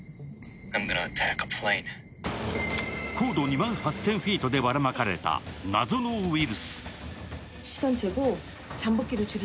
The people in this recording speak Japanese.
高度２万８０００フィートでばらまかれた謎のウイルス。